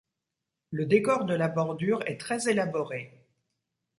Le décor de la bordure est très élaboré.